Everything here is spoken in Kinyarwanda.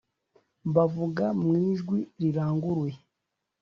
Bavuga mu ijwi riranguruye